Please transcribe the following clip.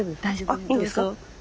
あいいんですか？